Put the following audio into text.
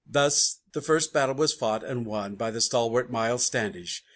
Thus the first battle was fought and won by the stalwart Miles Standish.